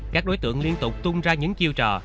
các đối tượng liên tục tung ra những chiêu trò